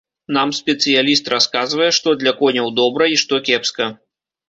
Нам спецыяліст расказвае, што для коняў добра і што кепска.